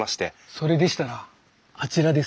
それでしたらあちらです。